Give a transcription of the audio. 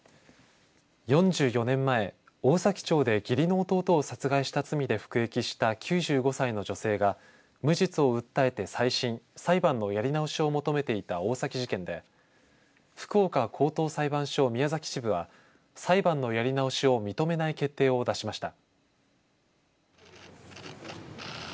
４４年前大崎町で義理の弟を殺害した罪で服役していた９５歳の女性が無実を訴えて再審、裁判のやり直しを求めていた大崎事件で福岡高等裁判所宮崎支部は裁判のやり直しを認めない決定を出しました。